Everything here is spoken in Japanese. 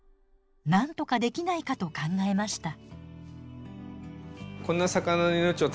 なんとかできないかと考えました。